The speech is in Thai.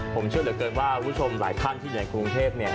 ผมเชื่อเหลือเกินว่าผู้ชมหลายท่านที่อย่างคลุงเทพเนี่ย